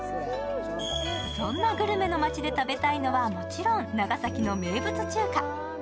そんなグルメの町で食べたいのはもちろん長崎の名物中華。